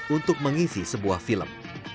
untuk mengisi sebuah film